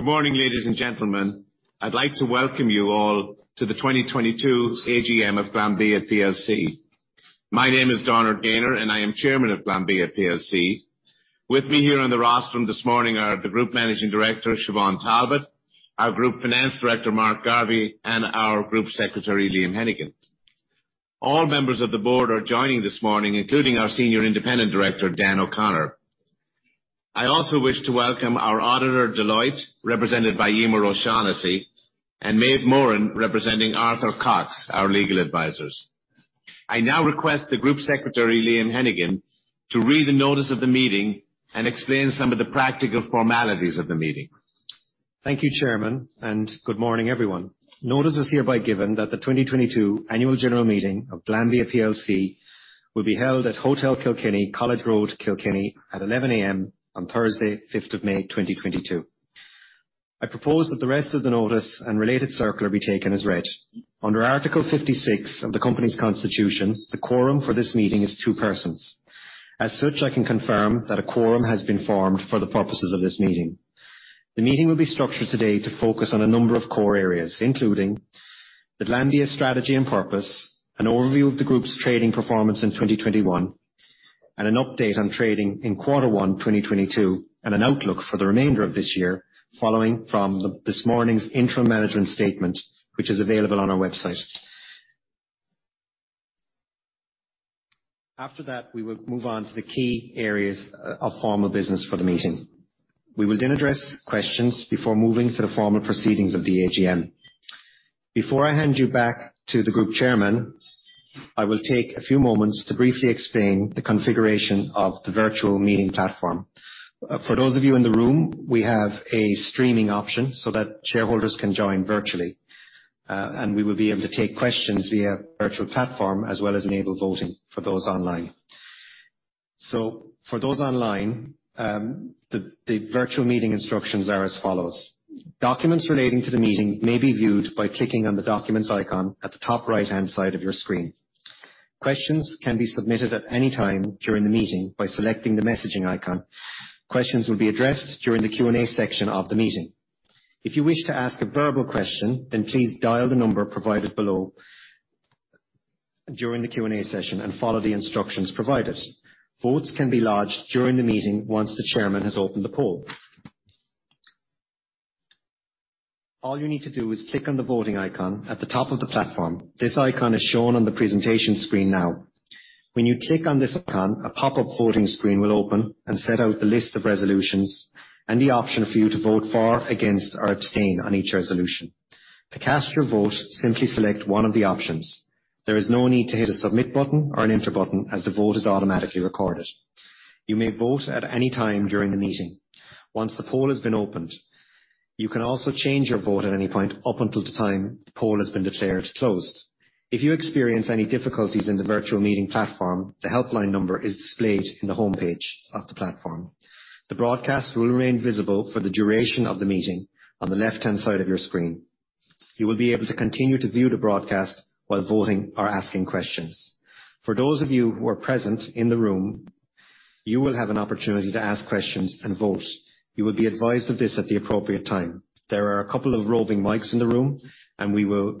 Good morning, ladies and gentlemen. I'd like to welcome you all to the 2022 AGM of Glanbia plc. My name is Donard Gaynor, and I am Chairman of Glanbia plc. With me here on the rostrum this morning are the Group Managing Director, Siobhán Talbot, our Group Finance Director, Mark Garvey, and our Group Secretary, Liam Hennigan. All members of the board are joining this morning, including our Senior Independent Director, Dan O'Connor. I also wish to welcome our auditor, Deloitte, represented by Emer O'Shaughnessy, and Maeve Moran, representing Arthur Cox, our legal advisors. I now request the Group Secretary, Liam Hennigan, to read the notice of the meeting and explain some of the practical formalities of the meeting. Thank you, Chairman, and good morning, everyone. Notice is hereby given that the 2022 Annual General Meeting of Glanbia plc will be held at Hotel Kilkenny, College Road, Kilkenny at 11:00 A.M. on Thursday, 5th of May, 2022. I propose that the rest of the notice and related circular be taken as read. Under Article 56 of the company's constitution, the quorum for this meeting is two persons. As such, I can confirm that a quorum has been formed for the purposes of this meeting. The meeting will be structured today to focus on a number of core areas, including the Glanbia strategy and purpose, an overview of the group's trading performance in 2021, and an update on trading in quarter one, 2022, and an outlook for the remainder of this year following from this morning's interim management statement, which is available on our website. After that, we will move on to the key areas of formal business for the meeting. We will then address questions before moving to the formal proceedings of the AGM. Before I hand you back to the group chairman, I will take a few moments to briefly explain the configuration of the virtual meeting platform. For those of you in the room, we have a streaming option so that shareholders can join virtually. We will be able to take questions via virtual platform, as well as enable voting for those online. For those online, the virtual meeting instructions are as follows. Documents relating to the meeting may be viewed by clicking on the documents icon at the top right-hand side of your screen. Questions can be submitted at any time during the meeting by selecting the messaging icon. Questions will be addressed during the Q&A section of the meeting. If you wish to ask a verbal question, then please dial the number provided below during the Q&A session and follow the instructions provided. Votes can be lodged during the meeting once the chairman has opened the poll. All you need to do is click on the voting icon at the top of the platform. This icon is shown on the presentation screen now. When you click on this icon, a pop-up voting screen will open and set out the list of resolutions and the option for you to vote for, against or abstain on each resolution. To cast your vote, simply select one of the options. There is no need to hit a submit button or an enter button as the vote is automatically recorded. You may vote at any time during the meeting. Once the poll has been opened, you can also change your vote at any point up until the time the poll has been declared closed. If you experience any difficulties in the virtual meeting platform, the helpline number is displayed in the homepage of the platform. The broadcast will remain visible for the duration of the meeting on the left-hand side of your screen. You will be able to continue to view the broadcast while voting or asking questions. For those of you who are present in the room, you will have an opportunity to ask questions and vote. You will be advised of this at the appropriate time. There are a couple of roving mics in the room, and we will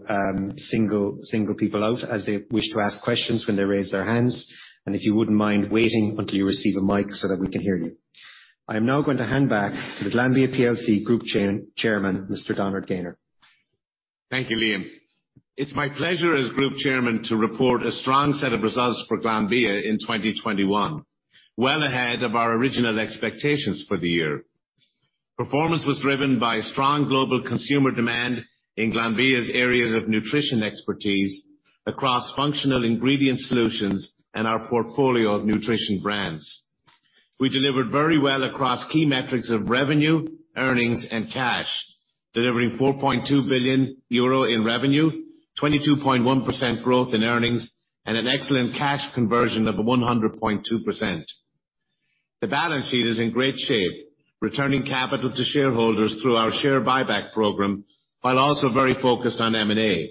single people out as they wish to ask questions when they raise their hands, and if you wouldn't mind waiting until you receive a mic so that we can hear you. I am now going to hand back to the Glanbia plc Group Chairman, Mr. Donard Gaynor. Thank you, Liam. It's my pleasure as Group Chairman to report a strong set of results for Glanbia in 2021, well ahead of our original expectations for the year. Performance was driven by strong global consumer demand in Glanbia's areas of nutrition expertise across functional ingredient solutions and our portfolio of nutrition brands. We delivered very well across key metrics of revenue, earnings and cash, delivering 4.2 billion euro in revenue, 22.1% growth in earnings, and an excellent cash conversion of 100.2%. The balance sheet is in great shape, returning capital to shareholders through our share buyback program, while also very focused on M&A.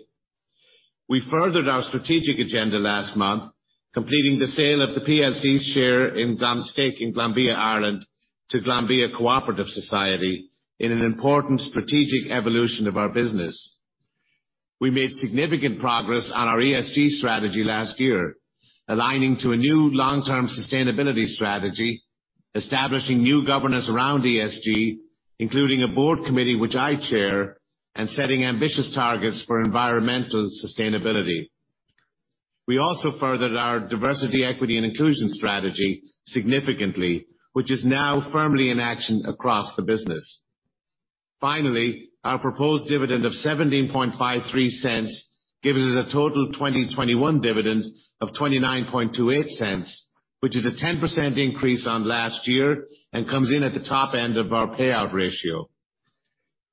We furthered our strategic agenda last month, completing the sale of the PLC's share in Glanbia Cheese and Glanbia Ireland to Glanbia Co-operative Society in an important strategic evolution of our business. We made significant progress on our ESG strategy last year, aligning to a new long-term sustainability strategy, establishing new governance around ESG, including a board committee which I chair, and setting ambitious targets for environmental sustainability. We also furthered our diversity, equity, and inclusion strategy significantly, which is now firmly in action across the business. Finally, our proposed dividend of 0.1753 gives us a total 2021 dividend of 0.2928, which is a 10% increase on last year, and comes in at the top end of our payout ratio.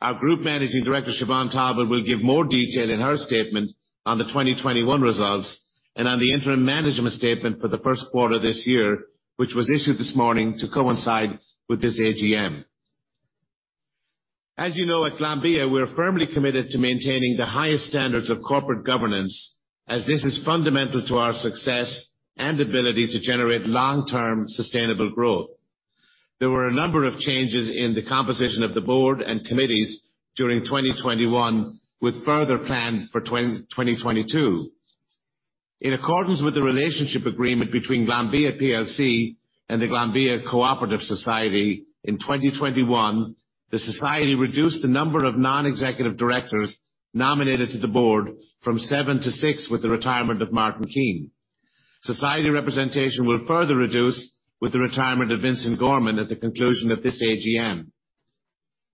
Our Group Managing Director, Siobhán Talbot, will give more detail in her statement on the 2021 results and on the interim management statement for the first quarter this year, which was issued this morning to coincide with this AGM. As you know, at Glanbia, we're firmly committed to maintaining the highest standards of corporate governance as this is fundamental to our success and ability to generate long-term sustainable growth. There were a number of changes in the composition of the board and committees during 2021, with further plans for 2022. In accordance with the relationship agreement between Glanbia plc and the Glanbia Co-operative Society, in 2021, the society reduced the number of non-executive directors nominated to the board from 7-6 with the retirement of Martin Keane. Society representation will further reduce with the retirement of Vincent Gorman at the conclusion of this AGM.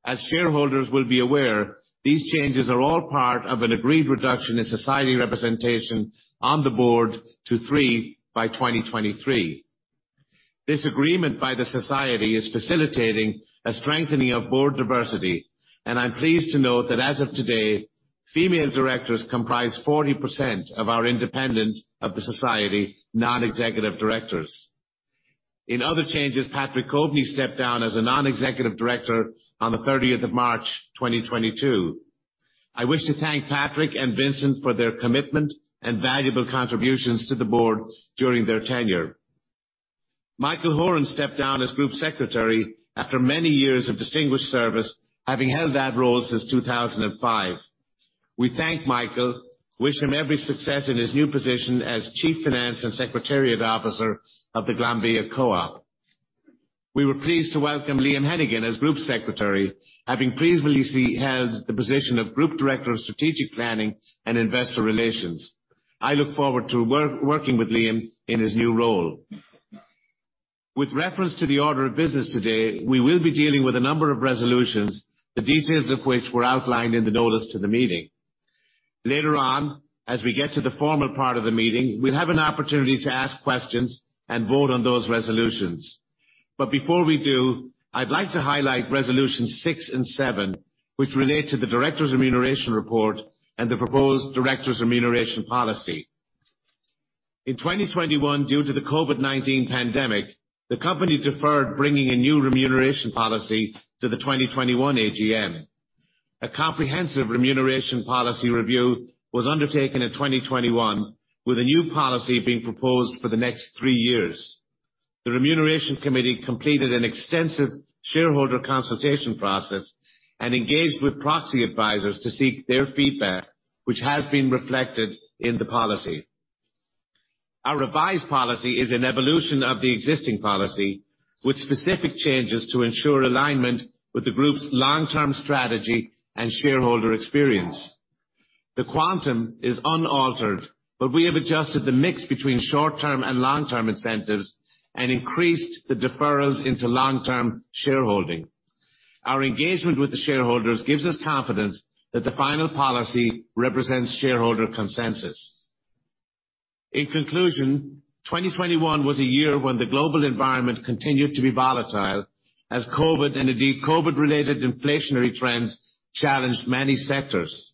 As shareholders will be aware, these changes are all part of an agreed reduction in society representation on the board to three by 2023. This agreement by the society is facilitating a strengthening of board diversity. I'm pleased to note that as of today, female directors comprise 40% of our independent non-executive directors of the society. In other changes, Patrick Coveney stepped down as a non-executive director on the thirtieth of March, 2022. I wish to thank Patrick and Vincent for their commitment and valuable contributions to the board during their tenure. Michael Horan stepped down as Group Secretary after many years of distinguished service, having held that role since 2005. We thank Michael, wish him every success in his new position as Chief Finance and Secretariat Officer of the Glanbia Co-op. We were pleased to welcome Liam Hennigan as Group Secretary, having previously held the position of Group Director of Strategic Planning and Investor Relations. I look forward to working with Liam in his new role. With reference to the order of business today, we will be dealing with a number of resolutions, the details of which were outlined in the notice to the meeting. Later on, as we get to the formal part of the meeting, we'll have an opportunity to ask questions and vote on those resolutions. Before we do, I'd like to highlight resolution 6 and 7, which relate to the directors' remuneration report and the proposed directors' remuneration policy. In 2021, due to the COVID-19 pandemic, the company deferred bringing a new remuneration policy to the 2021 AGM. A comprehensive remuneration policy review was undertaken in 2021, with a new policy being proposed for the next three years. The Remuneration Committee completed an extensive shareholder consultation process and engaged with proxy advisors to seek their feedback, which has been reflected in the policy. Our revised policy is an evolution of the existing policy, with specific changes to ensure alignment with the group's long-term strategy and shareholder experience. The quantum is unaltered, but we have adjusted the mix between short-term and long-term incentives and increased the deferrals into long-term shareholding. Our engagement with the shareholders gives us confidence that the final policy represents shareholder consensus. In conclusion, 2021 was a year when the global environment continued to be volatile as COVID and the COVID-related inflationary trends challenged many sectors.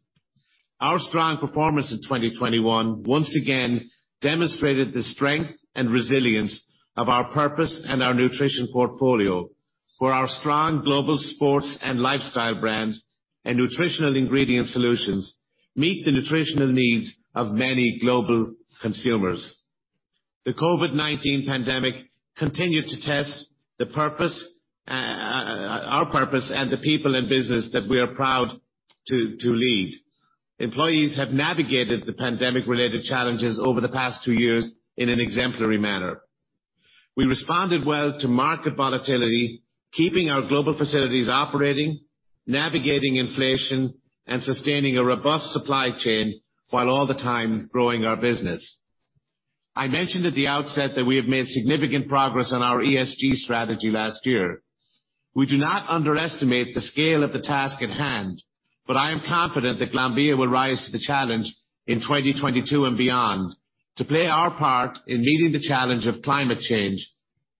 Our strong performance in 2021 once again demonstrated the strength and resilience of our purpose and our nutrition portfolio for our strong global sports and lifestyle brands and nutritional ingredient solutions meet the nutritional needs of many global consumers. The COVID-19 pandemic continued to test our purpose and the people in business that we are proud to lead. Employees have navigated the pandemic-related challenges over the past two years in an exemplary manner. We responded well to market volatility, keeping our global facilities operating, navigating inflation, and sustaining a robust supply chain while all the time growing our business. I mentioned at the outset that we have made significant progress on our ESG strategy last year. We do not underestimate the scale of the task at hand, but I am confident that Glanbia will rise to the challenge in 2022 and beyond to play our part in meeting the challenge of climate change,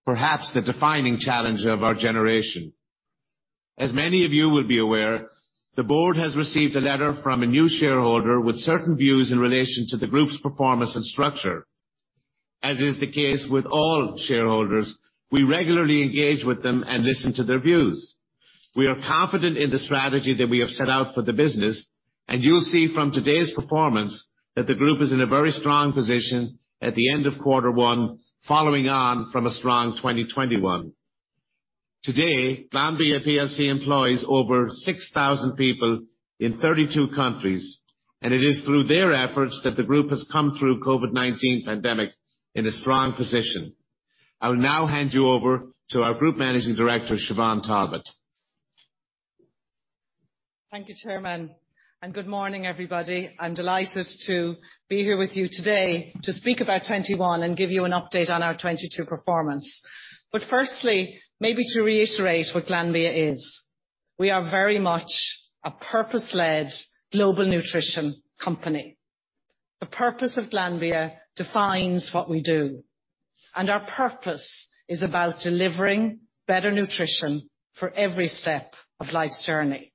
perhaps the defining challenge of our generation. As many of you will be aware, the board has received a letter from a new shareholder with certain views in relation to the group's performance and structure. As is the case with all shareholders, we regularly engage with them and listen to their views. We are confident in the strategy that we have set out for the business, and you'll see from today's performance that the group is in a very strong position at the end of quarter one, following on from a strong 2021. Today, Glanbia plc employs over 6,000 people in 32 countries, and it is through their efforts that the group has come through COVID-19 pandemic in a strong position. I will now hand you over to our Group Managing Director, Siobhán Talbot. Thank you, Chairman, and good morning, everybody. I'm delighted to be here with you today to speak about 2021 and give you an update on our 2022 performance. Firstly, maybe to reiterate what Glanbia is, we are very much a purpose-led global nutrition company. The purpose of Glanbia defines what we do, and our purpose is about delivering better nutrition for every step of life's journey.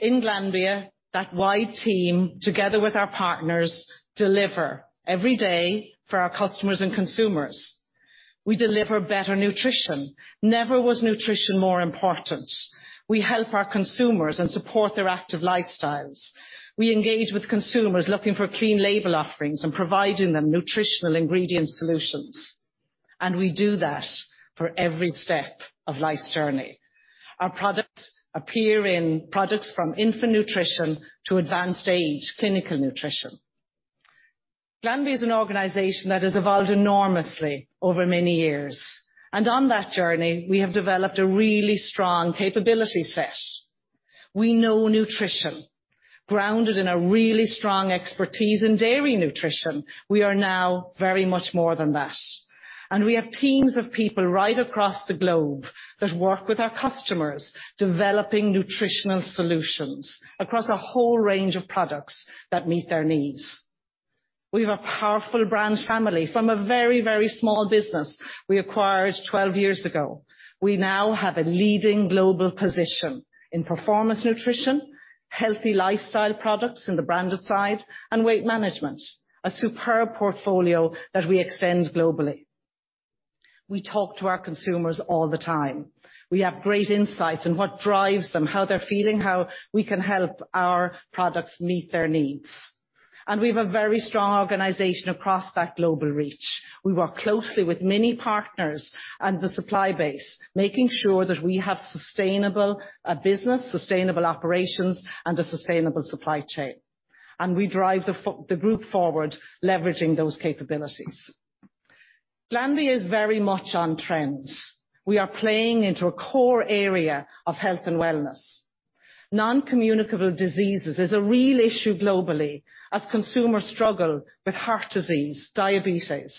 In Glanbia, that wide team, together with our partners, deliver every day for our customers and consumers. We deliver better nutrition. Never was nutrition more important. We help our consumers and support their active lifestyles. We engage with consumers looking for clean label offerings and providing them nutritional ingredient solutions. We do that for every step of life's journey. Our products appear in products from infant nutrition to advanced age clinical nutrition. Glanbia is an organization that has evolved enormously over many years, and on that journey we have developed a really strong capability set. We know nutrition. Grounded in a really strong expertise in dairy nutrition, we are now very much more than that, and we have teams of people right across the globe that work with our customers, developing nutritional solutions across a whole range of products that meet their needs. We have a powerful brand family. From a very, very small business we acquired 12 years ago, we now have a leading global position in performance nutrition, healthy lifestyle products in the branded side, and weight management. A superb portfolio that we extend globally. We talk to our consumers all the time. We have great insights in what drives them, how they're feeling, how we can help our products meet their needs. We have a very strong organization across that global reach. We work closely with many partners and the supply base, making sure that we have sustainable business, sustainable operations, and a sustainable supply chain. We drive the group forward leveraging those capabilities. Glanbia is very much on trends. We are playing into a core area of health and wellness. Non-communicable diseases is a real issue globally as consumers struggle with heart disease, diabetes.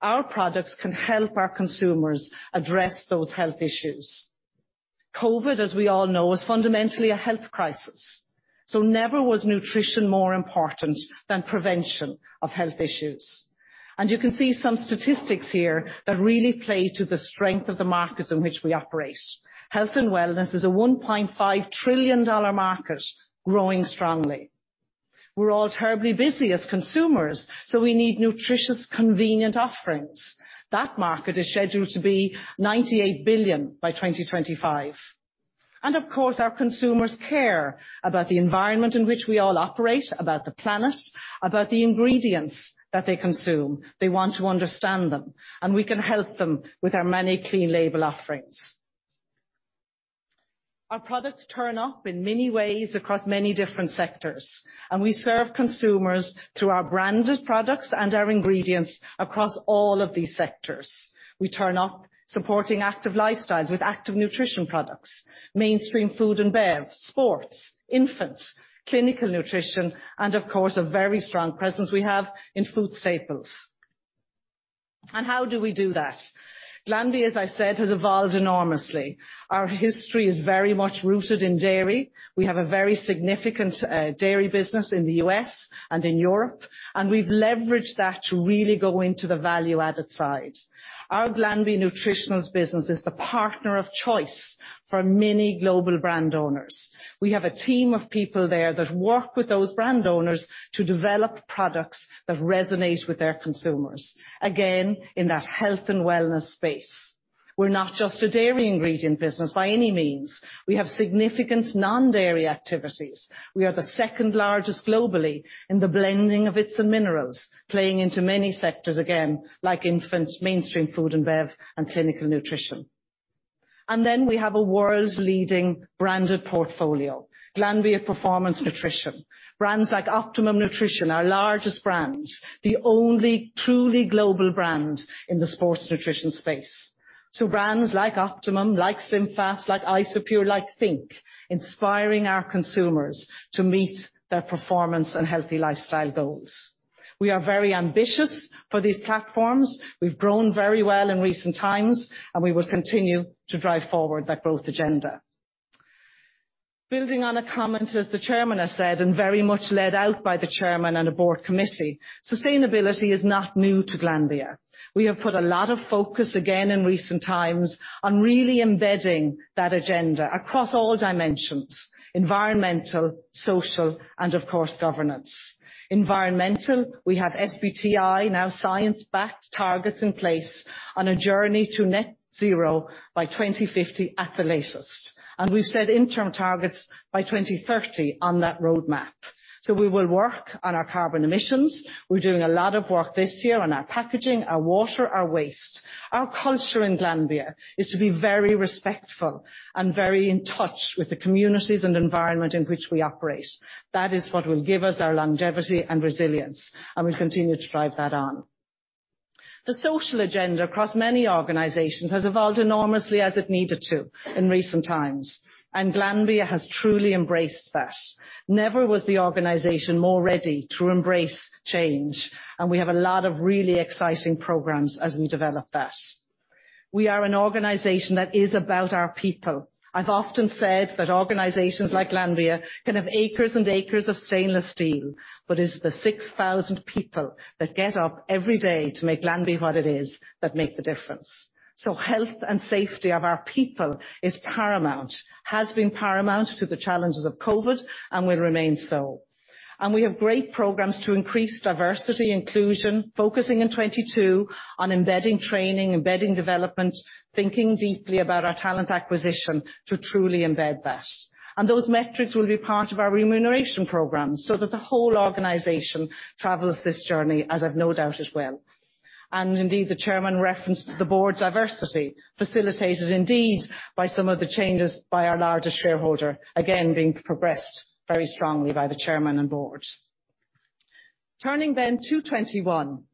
Our products can help our consumers address those health issues. COVID, as we all know, is fundamentally a health crisis, so never was nutrition more important than prevention of health issues. You can see some statistics here that really play to the strength of the markets in which we operate. Health and wellness is a $1.5 trillion market growing strongly. We're all terribly busy as consumers, so we need nutritious, convenient offerings. That market is scheduled to be 98 billion by 2025. Of course, our consumers care about the environment in which we all operate, about the planet, about the ingredients that they consume. They want to understand them, and we can help them with our many clean label offerings. Our products turn up in many ways across many different sectors, and we serve consumers through our branded products and our ingredients across all of these sectors. We turn up supporting active lifestyles with active nutrition products, mainstream food and bev, sports, infants, clinical nutrition, and of course, a very strong presence we have in food staples. How do we do that? Glanbia, as I said, has evolved enormously. Our history is very much rooted in dairy. We have a very significant dairy business in the U.S. and in Europe, and we've leveraged that to really go into the value-added side. Our Glanbia Nutritionals business is the partner of choice for many global brand owners. We have a team of people there that work with those brand owners to develop products that resonate with their consumers. Again, in that health and wellness space. We're not just a dairy ingredient business by any means. We have significant non-dairy activities. We are the second-largest globally in the blending of its minerals, playing into many sectors again, like infants, mainstream food and bev, and clinical nutrition. We have a world-leading branded portfolio. Glanbia Performance Nutrition. Brands like Optimum Nutrition, our largest brand, the only truly global brand in the sports nutrition space. Brands like Optimum, like SlimFast, like Isopure, like think! inspiring our consumers to meet their performance and healthy lifestyle goals. We are very ambitious for these platforms. We've grown very well in recent times, and we will continue to drive forward that growth agenda. Building on a comment, as the chairman has said, and very much led out by the chairman and the board committee, sustainability is not new to Glanbia. We have put a lot of focus again in recent times on really embedding that agenda across all dimensions, environmental, social, and of course, governance. Environmental, we have SBTi, now science-backed targets in place on a journey to net zero by 2050 at the latest. We've set interim targets by 2030 on that roadmap. We will work on our carbon emissions. We're doing a lot of work this year on our packaging, our water, our waste. Our culture in Glanbia is to be very respectful and very in touch with the communities and environment in which we operate. That is what will give us our longevity and resilience, and we continue to drive that on. The social agenda across many organizations has evolved enormously as it needed to in recent times, and Glanbia has truly embraced that. Never was the organization more ready to embrace change, and we have a lot of really exciting programs as we develop that. We are an organization that is about our people. I've often said that organizations like Glanbia can have acres and acres of stainless steel, but it's the 6,000 people that get up every day to make Glanbia what it is that make the difference. Health and safety of our people is paramount, has been paramount to the challenges of COVID, and will remain so. We have great programs to increase diversity, inclusion, focusing in 2022 on embedding training, embedding development, thinking deeply about our talent acquisition to truly embed that. Those metrics will be part of our remuneration program, so that the whole organization travels this journey as I've no doubt as well. Indeed, the chairman referenced the board's diversity, facilitated indeed by some of the changes by our largest shareholder, again, being progressed very strongly by the chairman and board. Turning then to 2021.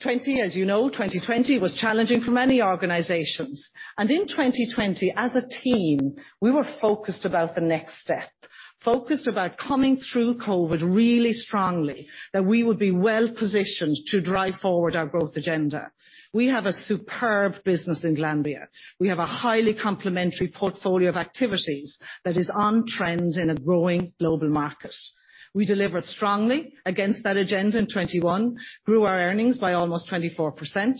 2020, as you know, 2020 was challenging for many organizations. In 2020, as a team, we were focused about the next step, focused about coming through COVID really strongly, that we would be well-positioned to drive forward our growth agenda. We have a superb business in Glanbia. We have a highly complementary portfolio of activities that is on trend in a growing global market. We delivered strongly against that agenda in 2021, grew our earnings by almost 24%,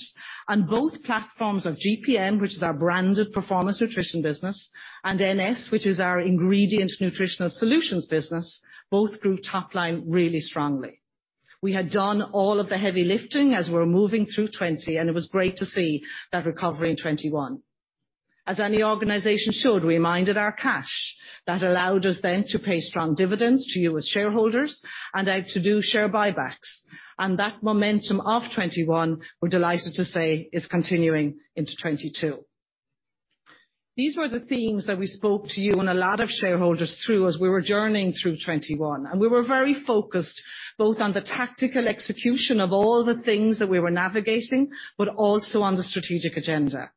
and both platforms of GPN, which is our branded performance nutrition business, and NS, which is our ingredient nutritional solutions business, both grew top line really strongly. We had done all of the heavy lifting as we were moving through 2020, and it was great to see that recovery in 2021. As any organization should, we minded our cash. That allowed us then to pay strong dividends to you as shareholders and also to do share buybacks. That momentum of 2021, we're delighted to say, is continuing into 2022. These were the themes that we spoke to you and a lot of shareholders through as we were journeying through 2021. We were very focused, both on the tactical execution of all the things that we were navigating, but also on the strategic agenda.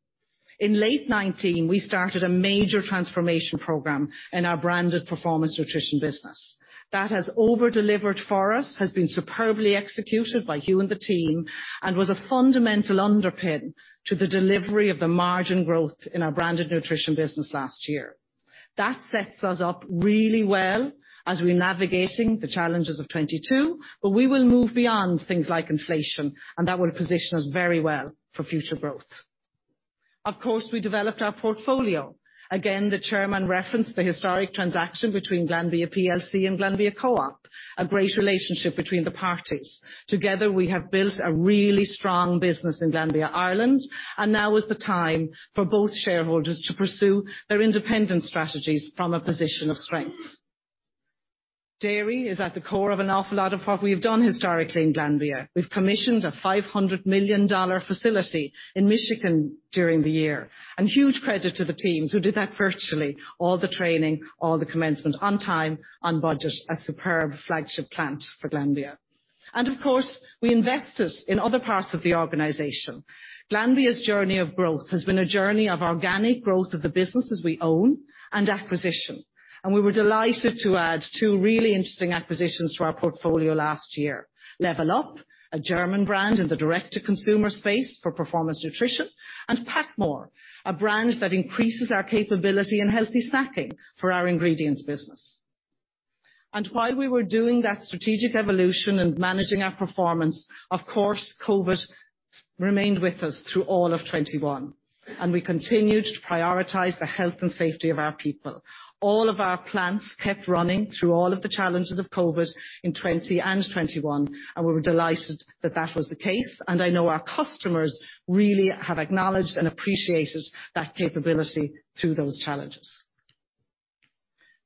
In late 2019, we started a major transformation program in our branded performance nutrition business. That has over-delivered for us, has been superbly executed by Hugh and the team, and was a fundamental underpin to the delivery of the margin growth in our branded nutrition business last year. That sets us up really well as we're navigating the challenges of 2022, but we will move beyond things like inflation, and that will position us very well for future growth. Of course, we developed our portfolio. Again, the chairman referenced the historic transaction between Glanbia plc and Glanbia Co-op, a great relationship between the parties. Together, we have built a really strong business in Glanbia, Ireland, and now is the time for both shareholders to pursue their independent strategies from a position of strength. Dairy is at the core of an awful lot of what we have done historically in Glanbia. We've commissioned a $500 million facility in Michigan during the year. Huge credit to the teams who did that virtually, all the training, all the commencement, on time, on budget, a superb flagship plant for Glanbia. Of course, we invested in other parts of the organization. Glanbia's journey of growth has been a journey of organic growth of the businesses we own and acquisition. We were delighted to add two really interesting acquisitions to our portfolio last year. LevlUp, a German brand in the direct-to-consumer space for performance nutrition, and PacMoore, a brand that increases our capability in healthy snacking for our ingredients business. While we were doing that strategic evolution and managing our performance, of course, COVID remained with us through all of 2021, and we continued to prioritize the health and safety of our people. All of our plants kept running through all of the challenges of COVID in 2020 and 2021, and we were delighted that that was the case. I know our customers really have acknowledged and appreciated that capability through those challenges.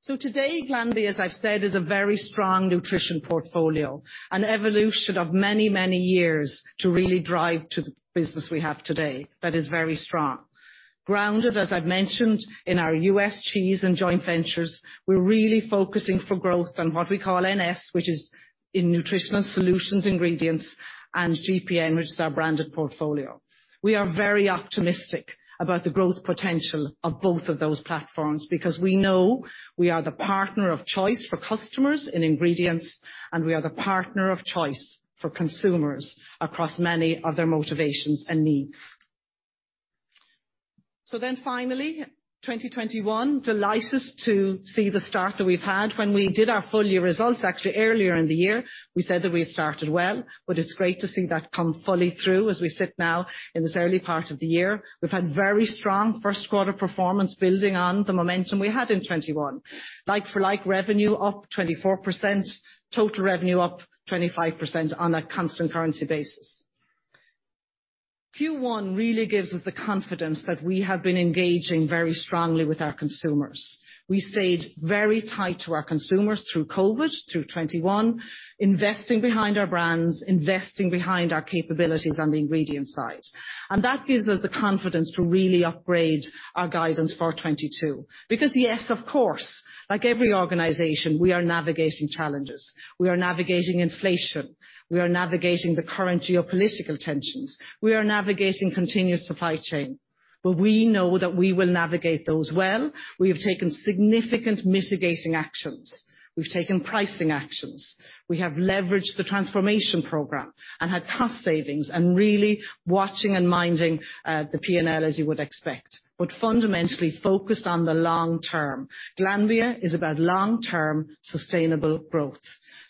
Today, Glanbia, as I've said, is a very strong nutrition portfolio, an evolution of many, many years to really drive to the business we have today that is very strong. Grounded, as I've mentioned, in our U.S. cheese and joint ventures, we're really focusing for growth on what we call NS, which is in nutritional solutions, ingredients, and GPN, which is our branded portfolio. We are very optimistic about the growth potential of both of those platforms because we know we are the partner of choice for customers in ingredients, and we are the partner of choice for consumers across many of their motivations and needs. Finally, 2021, delighted to see the start that we've had. When we did our full year results actually earlier in the year, we said that we had started well, but it's great to see that come fully through as we sit now in this early part of the year. We've had very strong first quarter performance building on the momentum we had in 2021. Like for like revenue up 24%, total revenue up 25% on a constant currency basis. Q1 really gives us the confidence that we have been engaging very strongly with our consumers. We stayed very tight to our consumers through COVID, through 2021, investing behind our brands, investing behind our capabilities on the ingredient side. That gives us the confidence to really upgrade our guidance for 2022. Because yes, of course, like every organization, we are navigating challenges. We are navigating inflation. We are navigating the current geopolitical tensions. We are navigating continued supply chain. We know that we will navigate those well. We have taken significant mitigating actions. We've taken pricing actions. We have leveraged the transformation program and had cost savings and really watching and minding the P&L, as you would expect, but fundamentally focused on the long term. Glanbia is about long-term sustainable growth.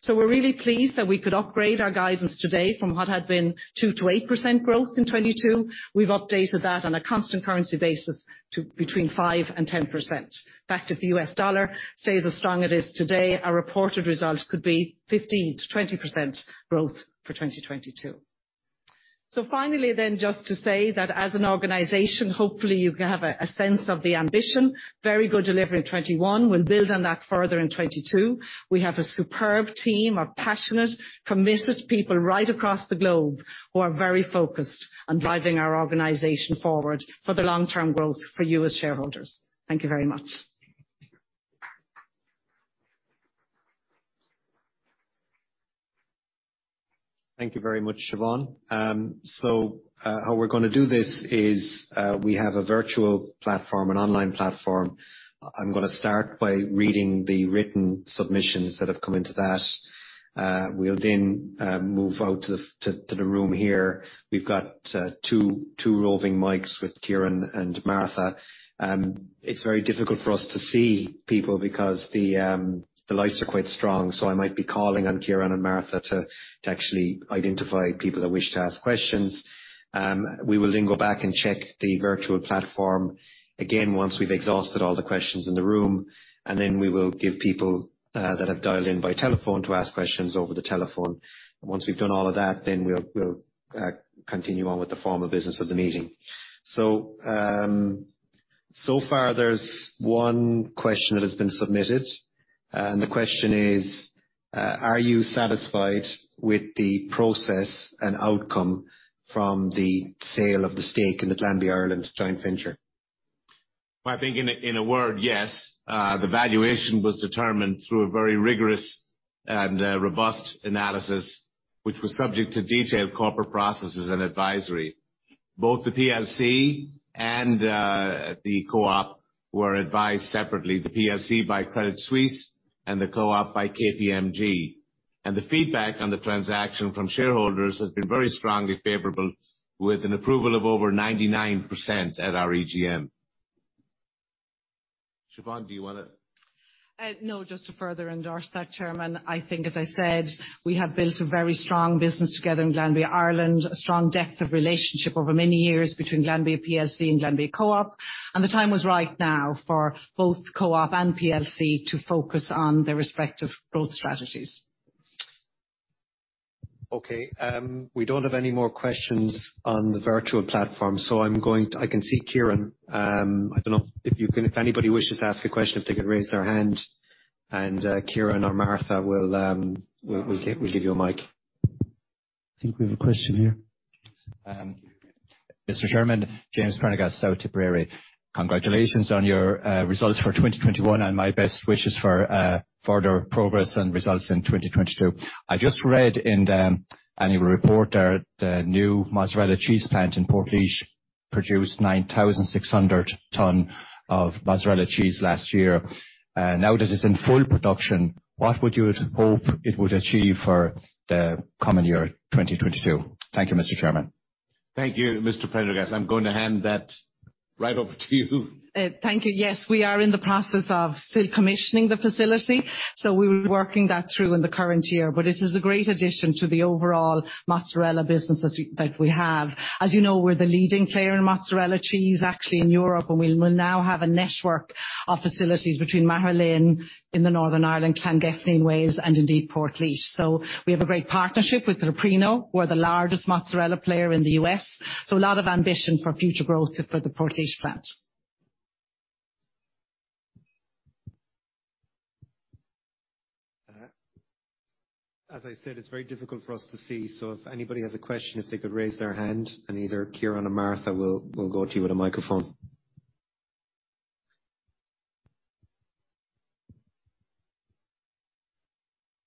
We're really pleased that we could upgrade our guidance today from what had been 2%-8% growth in 2022. We've updated that on a constant currency basis to between 5% and 10%. In fact, if the U.S. dollar stays as strong it is today, our reported results could be 15%-20% growth for 2022. Finally then, just to say that as an organization, hopefully you can have a sense of the ambition. Very good delivery 2021. We'll build on that further in 2022. We have a superb team of passionate, committed people right across the globe who are very focused on driving our organization forward for the long-term growth for you as shareholders. Thank you very much. Thank you very much, Siobhán. How we're gonna do this is we have a virtual platform, an online platform. I'm gonna start by reading the written submissions that have come into that. We'll move out to the room here. We've got two roving mics with Kieran and Martha. It's very difficult for us to see people because the lights are quite strong, so I might be calling on Kieran and Martha to actually identify people that wish to ask questions. We will go back and check the virtual platform again once we've exhausted all the questions in the room, and we will give people that have dialed in by telephone to ask questions over the telephone. Once we've done all of that, then we'll continue on with the formal business of the meeting. So far there's one question that has been submitted. The question is, are you satisfied with the process and outcome from the sale of the stake in the Glanbia Ireland joint venture? Well, I think in a word, yes. The valuation was determined through a very rigorous and robust analysis, which was subject to detailed corporate processes and advisory. Both the PLC and the Co-op were advised separately. The PLC by Credit Suisse and the Co-op by KPMG. The feedback on the transaction from shareholders has been very strongly favorable, with an approval of over 99% at our EGM. Siobhán, do you wanna. No, just to further endorse that, Chairman, I think, as I said, we have built a very strong business together in Glanbia Ireland, a strong depth of relationship over many years between Glanbia plc and Glanbia Co-op, and the time was right now for both Co-op and plc to focus on their respective growth strategies. Okay. We don't have any more questions on the virtual platform. I can see Kieran. I don't know if you can. If anybody wishes to ask a question, if they could raise their hand, and Kieran or Martha will give you a mic. I think we have a question here. Mr. Chairman, James Prendergast, South Tipperary. Congratulations on your results for 2021, and my best wishes for further progress and results in 2022. I just read in the annual report the new mozzarella cheese plant in Portlaoise produced 9,600 tons of mozzarella cheese last year. Now that it's in full production, what would you hope it would achieve for the coming year, 2022? Thank you, Mr. Chairman. Thank you, Mr. Prendergast. I'm going to hand that right over to you. Thank you. Yes, we are in the process of still commissioning the facility, so we'll be working that through in the current year. This is a great addition to the overall mozzarella businesses that we have. As you know, we're the leading player in mozzarella cheese actually in Europe, and we will now have a network of facilities between Magheralin in Northern Ireland, Llangefni in Wales, and indeed Portlaoise. We have a great partnership with Leprino, we're the largest mozzarella player in the U.S., so a lot of ambition for future growth for the Portlaoise plant. As I said, it's very difficult for us to see. If anybody has a question, if they could raise their hand, and either Kieran or Martha will go to you with a microphone.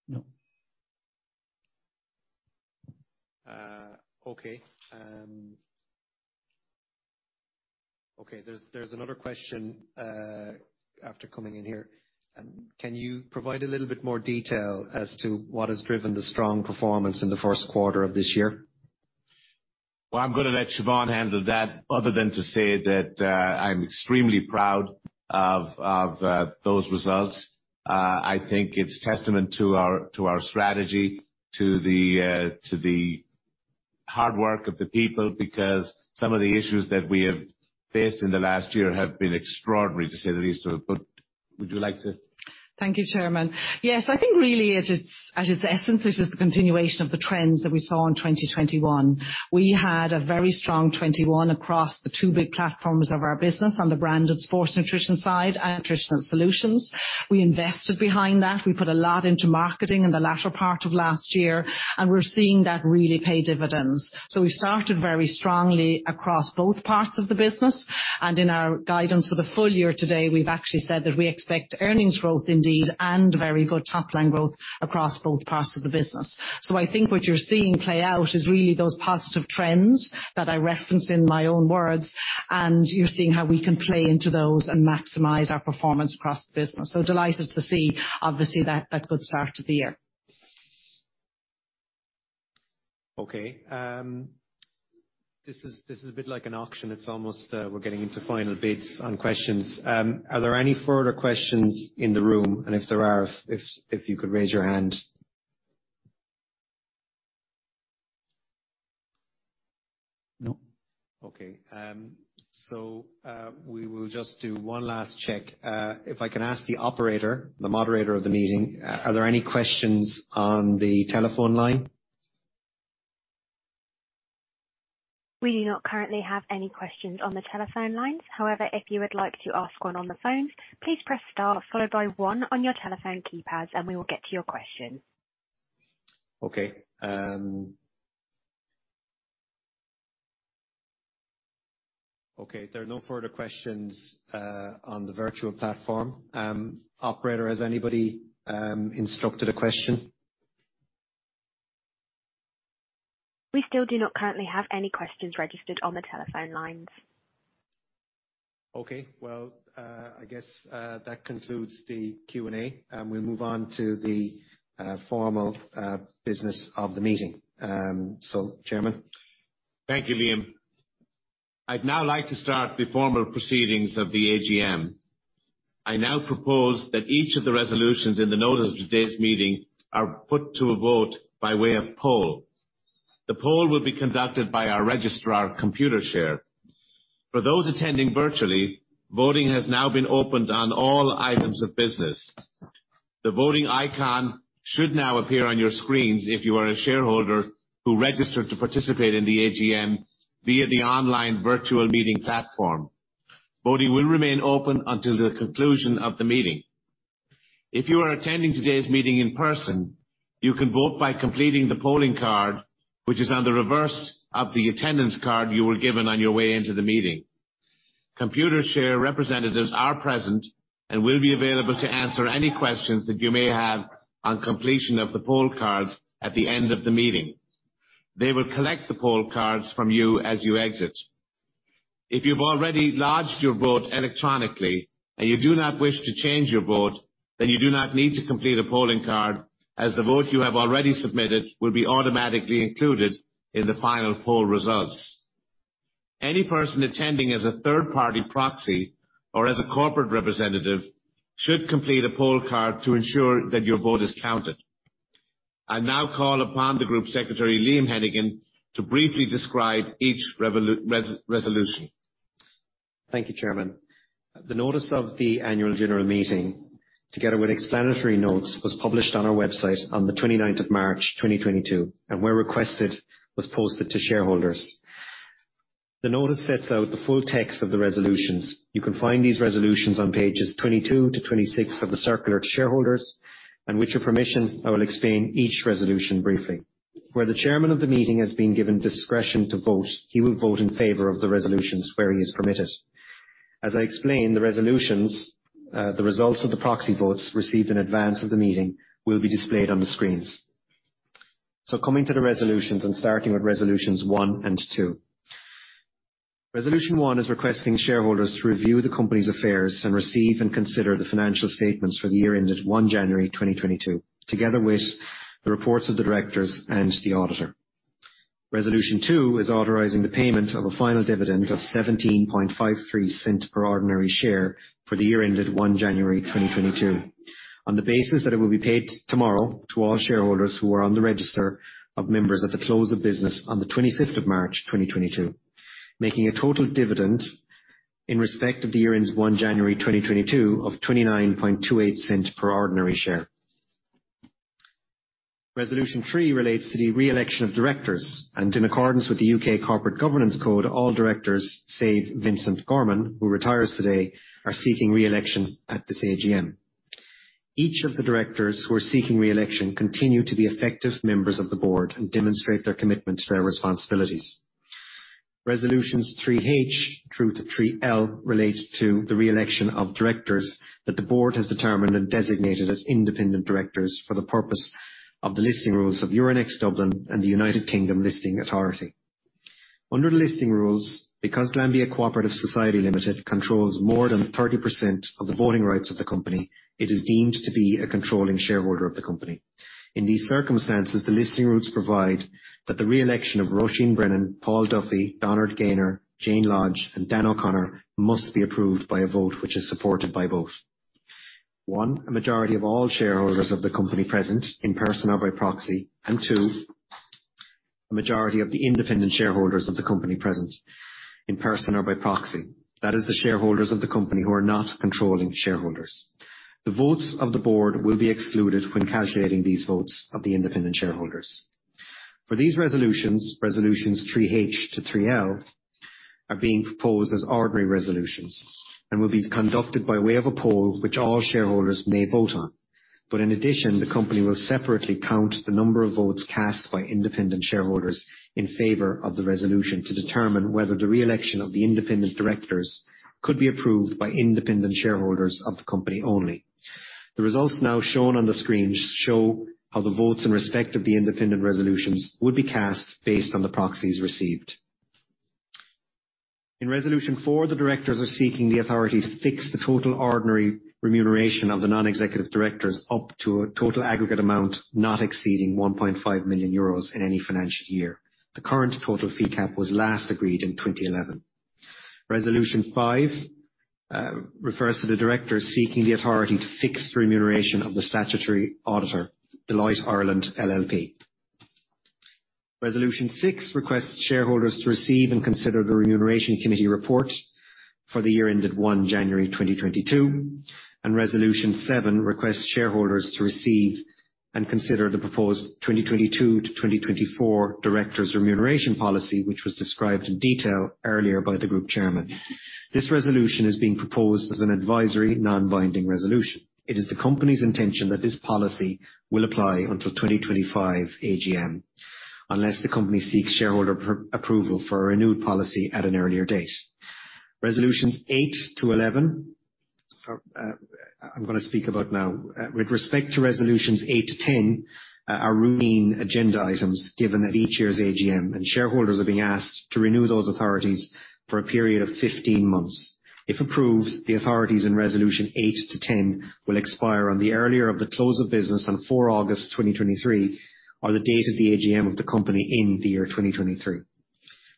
No. Okay. There's another question after coming in here. Can you provide a little bit more detail as to what has driven the strong performance in the first quarter of this year? Well, I'm gonna let Siobhán handle that, other than to say that, I'm extremely proud of those results. I think it's testament to our strategy, to the hard work of the people, because some of the issues that we have faced in the last year have been extraordinary, to say the least. Would you like to Thank you, Chairman. Yes, I think really it is, at its essence, it is the continuation of the trends that we saw in 2021. We had a very strong 2021 across the two big platforms of our business on the branded sports nutrition side and nutritional solutions. We invested behind that. We put a lot into marketing in the latter part of last year, and we're seeing that really pay dividends. We started very strongly across both parts of the business, and in our guidance for the full year today, we've actually said that we expect earnings growth indeed, and very good top-line growth across both parts of the business. I think what you're seeing play out is really those positive trends that I referenced in my own words, and you're seeing how we can play into those and maximize our performance across the business. Delighted to see, obviously, that good start to the year. Okay. This is a bit like an auction. It's almost we're getting into final bids on questions. Are there any further questions in the room? If there are, if you could raise your hand. No. Okay. We will just do one last check. If I can ask the operator, the moderator of the meeting, are there any questions on the telephone line? We do not currently have any questions on the telephone lines. However, if you would like to ask one on the phone, please press Star followed by one on your telephone keypads, and we will get to your question. Okay, there are no further questions on the virtual platform. Operator, has anybody instructed a question? We still do not currently have any questions registered on the telephone lines. Okay. Well, I guess that concludes the Q&A, and we move on to the formal business of the meeting. Chairman? Thank you, Liam. I'd now like to start the formal proceedings of the AGM. I now propose that each of the resolutions in the notice of today's meeting are put to a vote by way of poll. The poll will be conducted by our registrar, Computershare. For those attending virtually, voting has now been opened on all items of business. The voting icon should now appear on your screens if you are a shareholder who registered to participate in the AGM via the online virtual meeting platform. Voting will remain open until the conclusion of the meeting. If you are attending today's meeting in person, you can vote by completing the polling card, which is on the reverse of the attendance card you were given on your way into the meeting. Computershare representatives are present and will be available to answer any questions that you may have on completion of the poll cards at the end of the meeting. They will collect the poll cards from you as you exit. If you've already lodged your vote electronically, and you do not wish to change your vote, then you do not need to complete a polling card, as the vote you have already submitted will be automatically included in the final poll results. Any person attending as a third-party proxy or as a corporate representative should complete a poll card to ensure that your vote is counted. I now call upon the Group Secretary, Liam Hennigan, to briefly describe each resolution. Thank you, Chairman. The notice of the annual general meeting, together with explanatory notes, was published on our website on the 29th of March, 2022, and where requested, was posted to shareholders. The notice sets out the full text of the resolutions. You can find these resolutions on pages 22-26 of the circular to shareholders, and with your permission, I will explain each resolution briefly. Where the chairman of the meeting has been given discretion to vote, he will vote in favor of the resolutions where he is permitted. As I explained, the resolutions, the results of the proxy votes received in advance of the meeting will be displayed on the screens. Coming to the resolutions, and starting with resolutions 1 and 2. Resolution 1 is requesting shareholders to review the company's affairs and receive and consider the financial statements for the year ended 1 January 2022, together with the reports of the directors and the auditor. Resolution 2 is authorizing the payment of a final dividend of 0.1753 per ordinary share for the year ended 1 January 2022 on the basis that it will be paid tomorrow to all shareholders who are on the register of members at the close of business on 25 March 2022, making a total dividend in respect of the year ended 1 January 2022 of 0.2928 per ordinary share. Resolution 3 relates to the re-election of directors and in accordance with the U.K. Corporate Governance Code, all directors, save Vincent Gorman, who retires today, are seeking re-election at this AGM. Each of the directors who are seeking re-election continue to be effective members of the board and demonstrate their commitment to their responsibilities. Resolutions 3H through to 3L relate to the re-election of directors that the board has determined and designated as independent directors for the purpose of the listing rules of Euronext Dublin and the United Kingdom Listing Authority. Under the listing rules, because Glanbia Co-operative Society Limited controls more than 30% of the voting rights of the company, it is deemed to be a controlling shareholder of the company. In these circumstances, the listing rules provide that the re-election of Róisín Brennan, Paul Duffy, Donard Gaynor, Jane Lodge, and Dan O'Connor must be approved by a vote which is supported by both. One, a majority of all shareholders of the company present in person or by proxy, and two, a majority of the independent shareholders of the company present in person or by proxy, that is the shareholders of the company who are not controlling shareholders. The votes of the board will be excluded when calculating these votes of the independent shareholders. For these resolutions 3(h)-resolutions 3(l) are being proposed as ordinary resolutions and will be conducted by way of a poll which all shareholders may vote on. In addition, the company will separately count the number of votes cast by independent shareholders in favor of the resolution to determine whether the re-election of the independent directors could be approved by independent shareholders of the company only. The results now shown on the screen show how the votes in respect of the independent resolutions would be cast based on the proxies received. In Resolution 4, the directors are seeking the authority to fix the total ordinary remuneration of the non-executive directors up to a total aggregate amount, not exceeding 1.5 million euros in any financial year. The current total fee cap was last agreed in 2011. Resolution 5 refers to the directors seeking the authority to fix the remuneration of the statutory auditor, Deloitte Ireland LLP. Resolution 6 requests shareholders to receive and consider the Remuneration Committee report for the year ended 1 January 2022. Resolution 7 requests shareholders to receive and consider the proposed 2022-2024 directors' remuneration policy, which was described in detail earlier by the group chairman. This resolution is being proposed as an advisory, non-binding resolution. It is the company's intention that this policy will apply until 2025 AGM, unless the company seeks shareholder approval for a renewed policy at an earlier date. Resolutions 8-11, I'm gonna speak about now. With respect to resolutions 8-10, are routine agenda items given at each year's AGM, and shareholders are being asked to renew those authorities for a period of 15 months. If approved, the authorities in resolution 8-10 will expire on the earlier of the close of business on 4 August 2023 or the date of the AGM of the company in the year 2023.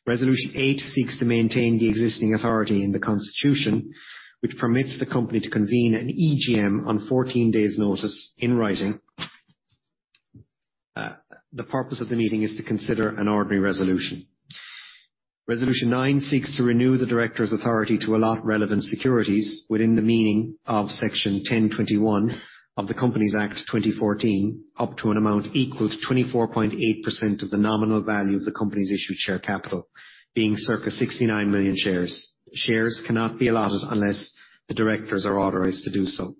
Resolution 8 seeks to maintain the existing authority in the constitution, which permits the company to convene an EGM on 14 days' notice in writing. The purpose of the meeting is to consider an ordinary resolution. Resolution 9 seeks to renew the directors' authority to allot relevant securities within the meaning of Section 1021 of the Companies Act 2014, up to an amount equal to 24.8% of the nominal value of the company's issued share capital, being circa 69 million shares. Shares cannot be allotted unless the directors are authorized to do so.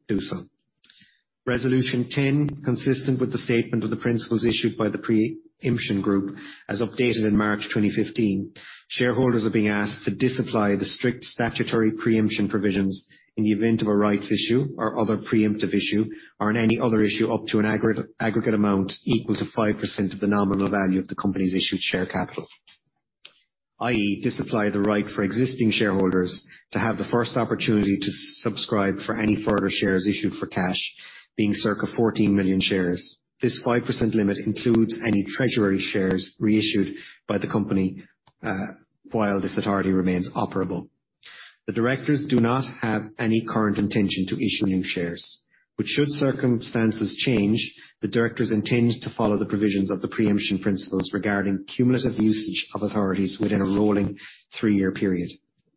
Resolution 10, consistent with the statement of the principles issued by the Pre-emption Group as updated in March 2015, shareholders are being asked to disapply the strict statutory pre-emption provisions in the event of a rights issue or other pre-emptive issue or in any other issue up to an aggregate amount equal to 5% of the nominal value of the company's issued share capital. i.e., disapply the right for existing shareholders to have the first opportunity to subscribe for any further shares issued for cash, being circa 14 million shares. This 5% limit includes any treasury shares reissued by the company, while this authority remains operable. The directors do not have any current intention to issue new shares. Should circumstances change, the directors intend to follow the provisions of the pre-emption principles regarding cumulative usage of authorities within a rolling three-year period.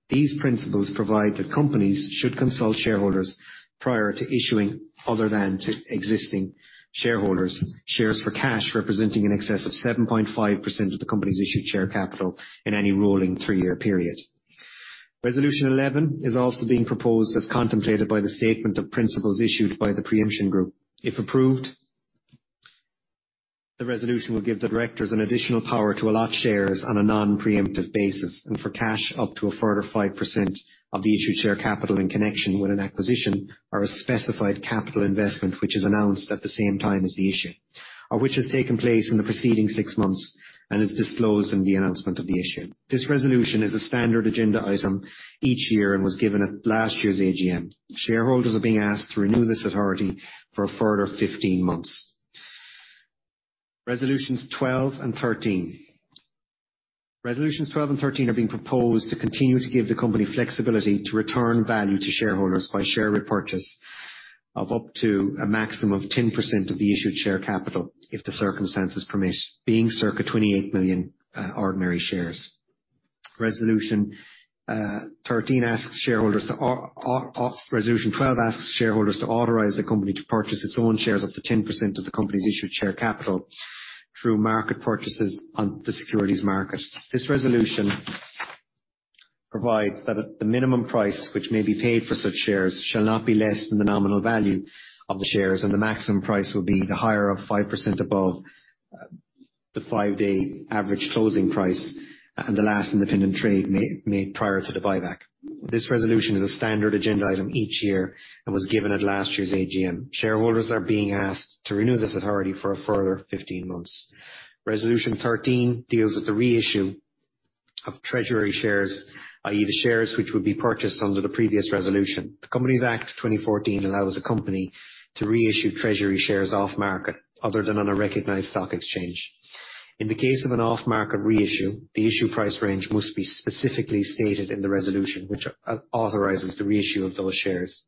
These principles provide that companies should consult shareholders prior to issuing other than to existing shareholders, shares for cash representing in excess of 7.5% of the company's issued share capital in any rolling three-year period. Resolution 11 is also being proposed as contemplated by the statement of principles issued by the Pre-emption Group. If approved, the resolution will give the directors an additional power to allot shares on a non-pre-emptive basis and for cash up to a further 5% of the issued share capital in connection with an acquisition or a specified capital investment which is announced at the same time as the issue, or which has taken place in the preceding six months and is disclosed in the announcement of the issue. This resolution is a standard agenda item each year and was given at last year's AGM. Shareholders are being asked to renew this authority for a further 15 months. Resolutions 12 and 13. Resolutions 12 and 13 are being proposed to continue to give the company flexibility to return value to shareholders by share repurchase of up to a maximum of 10% of the issued share capital if the circumstances permit, being circa 28 million ordinary shares. Resolution twelve asks shareholders to authorize the company to purchase its own shares up to 10% of the company's issued share capital through market purchases on the securities market. This resolution provides that the minimum price which may be paid for such shares shall not be less than the nominal value of the shares, and the maximum price will be the higher of 5% above the five-day average closing price and the last independent trade made prior to the buyback. This resolution is a standard agenda item each year and was given at last year's AGM. Shareholders are being asked to renew this authority for a further 15 months. Resolution thirteen deals with the reissue of treasury shares, i.e., the shares which will be purchased under the previous resolution. The Companies Act 2014 allows the company to reissue treasury shares off-market, other than on a recognized stock exchange. In the case of an off-market reissue, the issue price range must be specifically stated in the resolution which authorizes the reissue of those shares.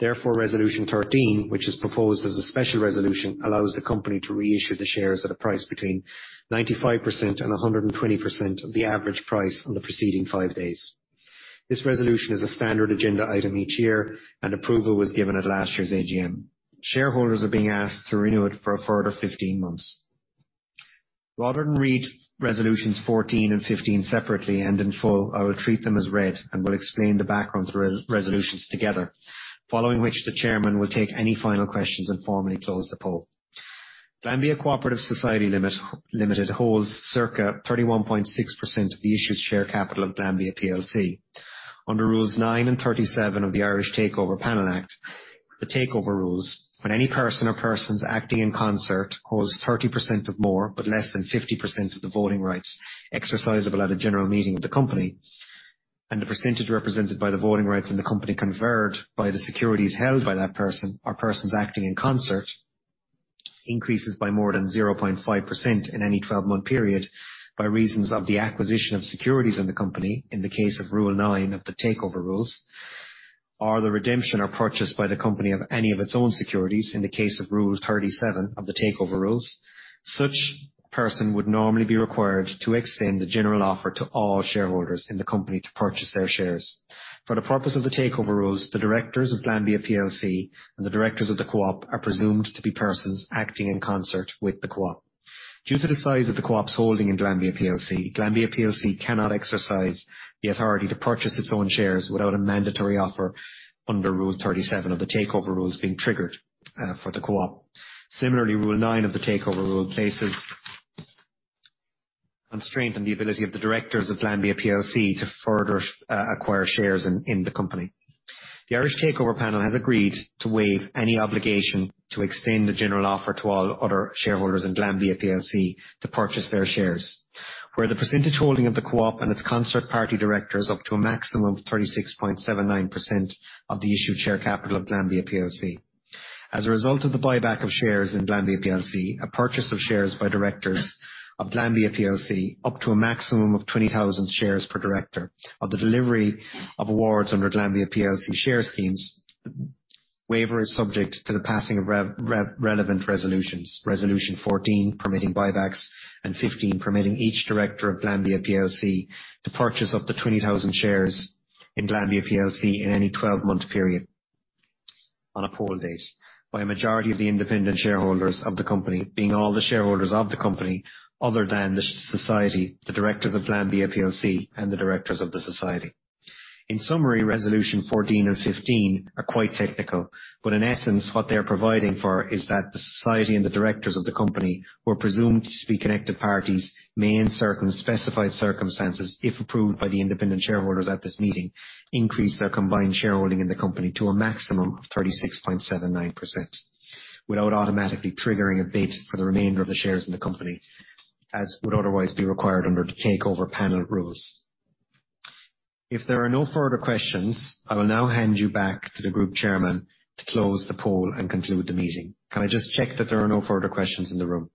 Therefore, resolution 13, which is proposed as a special resolution, allows the company to reissue the shares at a price between 95% and 120% of the average price on the preceding five days. This resolution is a standard agenda item each year, and approval was given at last year's AGM. Shareholders are being asked to renew it for a further 15 months. Rather than read resolutions 14 and 15 separately and in full, I will treat them as read and will explain the background resolutions together, following which the chairman will take any final questions and formally close the poll. Glanbia Co-operative Society Limited holds circa 31.6% of the issued share capital of Glanbia plc. Under Rules 9 and 37 of the Irish Takeover Panel Act, the Takeover Rules, when any person or persons acting in concert holds 30% or more, but less than 50% of the voting rights exercisable at a general meeting of the company, and the percentage represented by the voting rights in the company conferred by the securities held by that person or persons acting in concert increases by more than 0.5% in any 12-month period by reason of the acquisition of securities in the company in the case of Rule 9 of the Takeover Rules, or the redemption or purchase by the company of any of its own securities in the case of Rule 37 of the Takeover Rules. Such person would normally be required to extend the general offer to all shareholders in the company to purchase their shares. For the purpose of the Takeover Rules, the directors of Glanbia plc and the directors of the co-op are presumed to be persons acting in concert with the co-op. Due to the size of the co-op's holding in Glanbia plc, Glanbia plc cannot exercise the authority to purchase its own shares without a mandatory offer under Rule 37 of the Takeover Rules being triggered for the co-op. Similarly, Rule 9 of the Takeover Rule places constraint on the ability of the directors of Glanbia plc to further acquire shares in the company. The Irish Takeover Panel has agreed to waive any obligation to extend the general offer to all other shareholders in Glanbia plc to purchase their shares. Where the percentage holding of the co-op and its concert party directors up to a maximum of 36.79% of the issued share capital of Glanbia plc. As a result of the buyback of shares in Glanbia plc, a purchase of shares by directors of Glanbia plc up to a maximum of 20,000 shares per director of the delivery of awards under Glanbia plc share schemes. Waiver is subject to the passing of relevant resolutions. Resolution 14 permitting buybacks and 15 permitting each director of Glanbia plc to purchase up to 20,000 shares in Glanbia plc in any twelve-month period on a poll date by a majority of the independent shareholders of the company, being all the shareholders of the company other than the society, the directors of Glanbia plc, and the directors of the society. In summary, resolution 14 and 15 are quite technical, but in essence, what they're providing for is that the society and the directors of the company were presumed to be connected parties, may in certain specified circumstances, if approved by the independent shareholders at this meeting, increase their combined shareholding in the company to a maximum of 36.79% without automatically triggering a bid for the remainder of the shares in the company, as would otherwise be required under the Irish Takeover Panel rules. If there are no further questions, I will now hand you back to the Group Chairman to close the poll and conclude the meeting. Can I just check that there are no further questions in the room?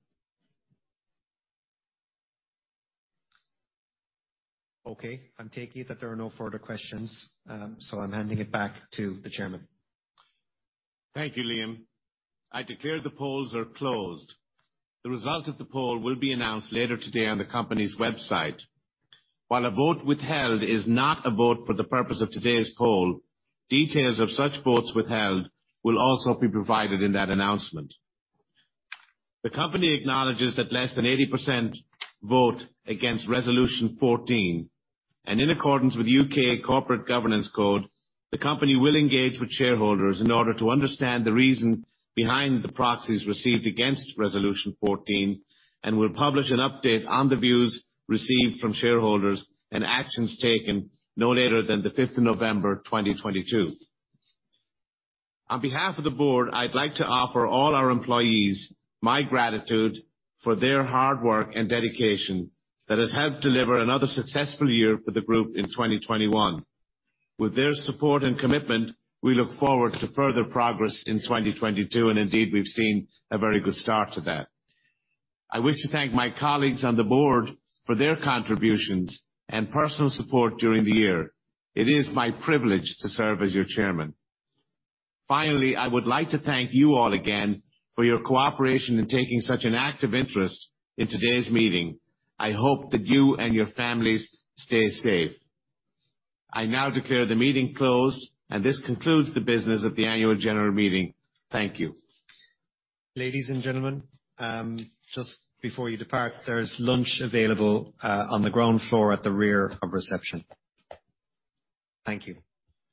Okay, I'm taking it that there are no further questions, so I'm handing it back to the chairman. Thank you, Liam. I declare the polls are closed. The result of the poll will be announced later today on the company's website. While a vote withheld is not a vote for the purpose of today's poll, details of such votes withheld will also be provided in that announcement. The company acknowledges that less than 80% vote against resolution 14, and in accordance with U.K. Corporate Governance Code, the company will engage with shareholders in order to understand the reason behind the proxies received against resolution 14 and will publish an update on the views received from shareholders and actions taken no later than the fifth of November, 2022. On behalf of the board, I'd like to offer all our employees my gratitude for their hard work and dedication that has helped deliver another successful year for the group in 2021. With their support and commitment, we look forward to further progress in 2022, and indeed, we've seen a very good start to that. I wish to thank my colleagues on the board for their contributions and personal support during the year. It is my privilege to serve as your chairman. Finally, I would like to thank you all again for your cooperation in taking such an active interest in today's meeting. I hope that you and your families stay safe. I now declare the meeting closed, and this concludes the business of the annual general meeting. Thank you. Ladies and gentlemen, just before you depart, there's lunch available, on the ground floor at the rear of reception. Thank you.